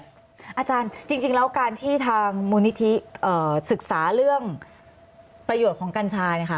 อาจารย์จริงแล้วการที่ทางมูลนิธิศึกษาเรื่องประโยชน์ของกัญชาเนี่ยค่ะ